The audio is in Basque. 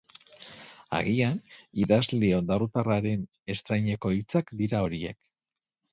Agian, idazle ondarrutarraren estraineko hitzak dira horiek.